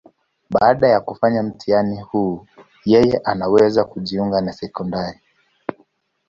Baada ya kufanya mtihani huu, yeye anaweza kujiunga na sekondari.